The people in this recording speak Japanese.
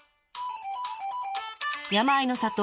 山あいの里。